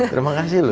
terima kasih lu